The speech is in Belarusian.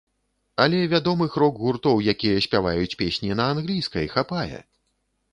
Але вядомых рок-гуртоў, якія спяваюць песні на англійскай, хапае.